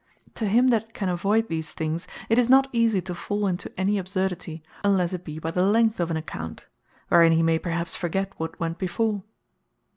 To him that can avoyd these things, it is not easie to fall into any absurdity, unlesse it be by the length of an account; wherein he may perhaps forget what went before.